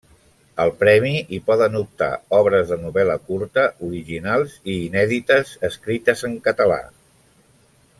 Al premi hi poden optar obres de novel·la curta, originals i inèdites, escrites en català.